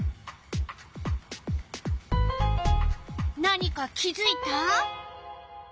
何か気づいた？